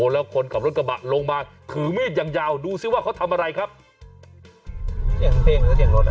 แล้วคนกับรถกระบะลงมาถือมีดอย่างยาวดูซิว่าเขาทำอะไรครับเสียงเสียงหรือเสียงรถอ่ะ